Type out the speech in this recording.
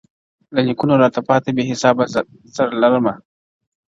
له نیکونو راته پاته بې حسابه زر لرمه,